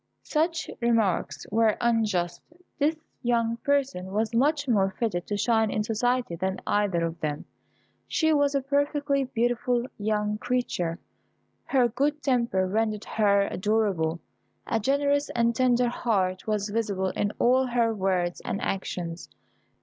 Such remarks were unjust. This young person was much more fitted to shine in society than either of them. She was a perfectly beautiful young creature, her good temper rendered her adorable. A generous and tender heart was visible in all her words and actions.